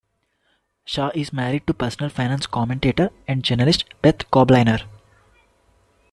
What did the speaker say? Shaw is married to personal finance commentator and journalist Beth Kobliner.